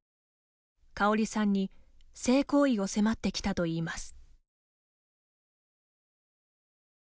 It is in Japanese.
カオリさんに性行為を迫ってきたといいます。